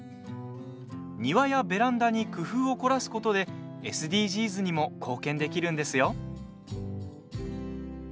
庭やベランダに工夫を凝らすことでＳＤＧｓにも貢献できるんですよ。